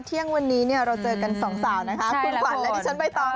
เที่ยงวันนี้เนี่ยเราเจอกันสองสาวนะคะคุณขวัญและดิฉันใบตอง